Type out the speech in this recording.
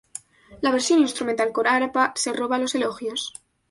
La version instrumental con arpa se "roba" los elogios.